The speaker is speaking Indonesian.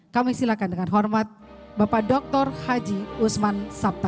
kami silakan dengan hormat bapak doktor haji usman sapta